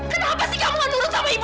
kenapa sih kamu gak turun sama ibu